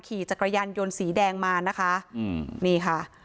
ขี่จักรยานยนต์สีแดงมานะคะอืมนี่ค่ะ